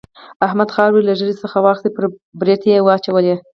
احمد خاورې له ږيرې څخه واخيستې پر برېت يې واچولې.